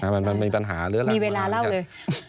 มันเป็นปัญหามีเวลาเล่าเลย